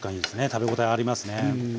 食べ応えありますね。